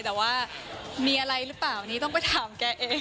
แต่ว่ามีอะไรหรือเปล่านี้ต้องไปถามแกเอง